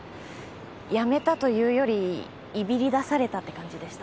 辞めたというよりいびり出されたって感じでした。